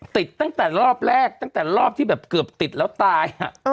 ติดตั้งแต่รอบแรกตั้งแต่รอบที่แบบเกือบติดแล้วตาย